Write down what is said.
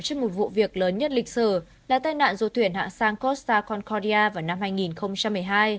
trước một vụ việc lớn nhất lịch sử là tai nạn du thuyền hạng san costa concordia vào năm hai nghìn một mươi hai